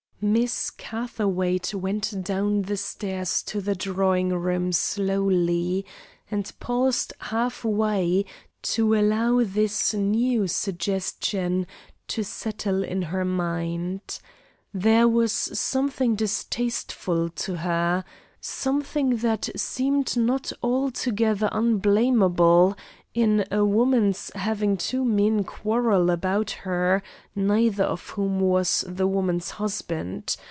Miss Catherwaight went down the stairs to the drawing room slowly, and paused half way to allow this new suggestion to settle in her mind. There was something distasteful to her, something that seemed not altogether unblamable, in a woman's having two men quarrel about her, neither of whom was the woman's husband.